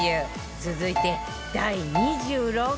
続いて第２６位は